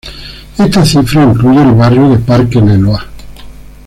Esta cifra incluye el barrio de Parque Leloir.